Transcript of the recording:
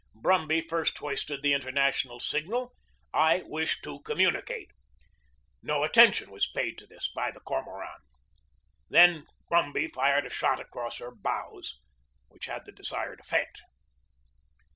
Brumby first hoisted the in ternational signal, "I wish to communicate/' No attention was paid to this by the Cormoran. Then Brumby fired a shot across her bows, which had the desired effect.